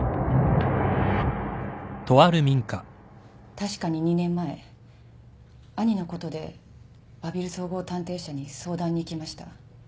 確かに２年前兄のことで阿比留綜合探偵社に相談に行きました。